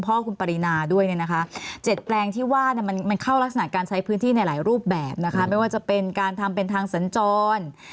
พ่ออาจย่อน